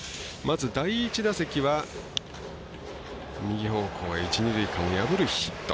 第１打席は右方向へ一、二塁間を破るヒット。